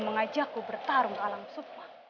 mengajakku bertarung alam sukma